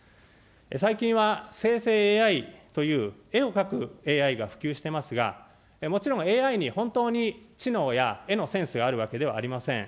最近は生成ＡＩという絵を描くＡＩが普及していますが、もちろん、ＡＩに本当に知能や絵のセンスがあるわけではありません。